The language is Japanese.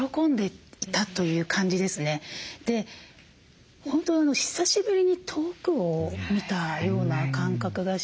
で本当久しぶりに遠くを見たような感覚がして。